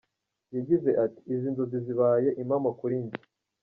Yagize ati “Izi n’inzozi zibaye impamo kuri njye.